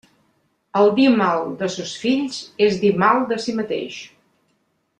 El dir mal de sos fills és dir mal de si mateix.